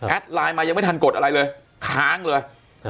ไลน์มายังไม่ทันกดอะไรเลยค้างเลย